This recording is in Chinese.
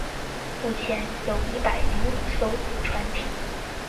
目前有一百零五艘船艇。